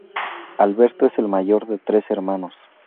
Alberto es el mayor de tres hermanos.